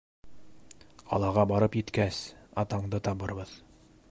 Ҡалаға барып еткәс, атанды табырбыҙ.